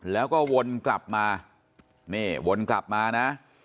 แล้วก็วนกลับมานี่วนกลับมานะ